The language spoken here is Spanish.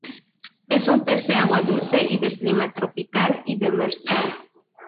Es un pez de agua dulce y de clima tropical y demersal.